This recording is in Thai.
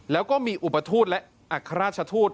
แล้วก็มีอุปทูตและอัครราชทูต